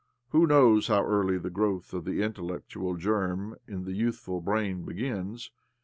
Who knows how early the growth of the intellectual germ in the youthful brain begins?